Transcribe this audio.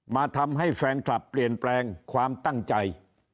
มาทำให้แฟนคลับเปลี่ยนแปลงความตั้งใจ